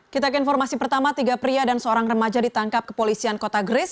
kita ke informasi pertama tiga pria dan seorang remaja ditangkap kepolisian kota grace